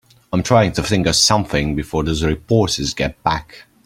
I'm trying to think of something before those reporters get back.